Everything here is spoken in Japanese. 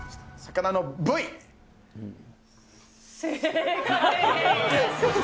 正解です。